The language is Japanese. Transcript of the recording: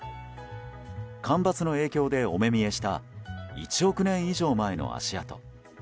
干ばつの影響でお目見えした１億年以上前の足跡。